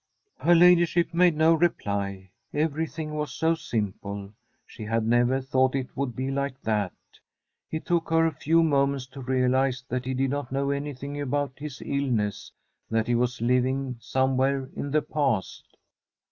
Her ladyship made no reply. Everything was From a SWEDISH HOMESTEAD so simple; she had never thought it would be like that. It took her a few moments to realize that he did not know anything about his illness, that he was living somewhere in the past.